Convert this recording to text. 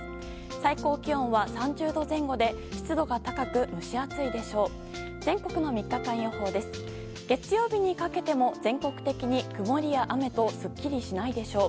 最高気温は３０度前後で湿度が高く蒸し暑いでしょう。